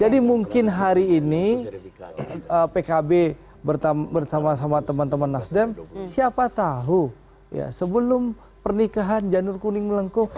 jadi mungkin hari ini pkb bersama sama teman teman nasdem siapa tahu ya sebelum pernikahan janur kuning melengkung